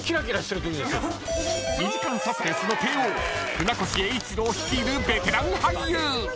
［２時間サスペンスの帝王船越英一郎率いるベテラン俳優！］